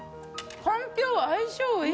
かんぴょう相性いい！